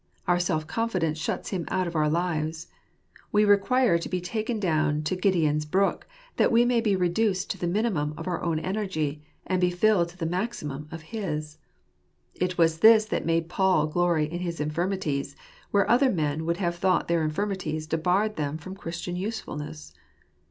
Our self confidence shuts Him out of our lives. We require to be taken down to Gideon's brook/that we may be reduced to the minimum of our own energy, and be filled to the maximum of his. It was this that made Paul glory in his infirmities, where other men would have thought their infirmities debarred them from Christian usefulness.